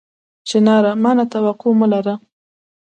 چناره! ما نه توقع مه لره